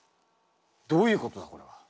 どういうことだこれは。